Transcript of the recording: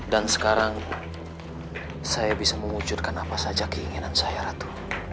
dan sekarang saya bisa mengujudkan apa saja keinginan saya ratu